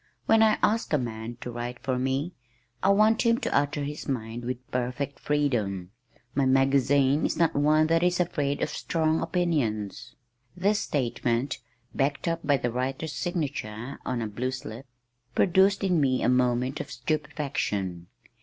When I ask a man to write for me, I want him to utter his mind with perfect freedom. My magazine is not one that is afraid of strong opinions." This statement backed up by the writer's signature on a blue slip produced in me a moment of stupefaction.